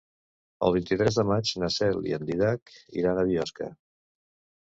El vint-i-tres de maig na Cel i en Dídac iran a Biosca.